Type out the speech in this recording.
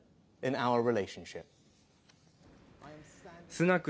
スナク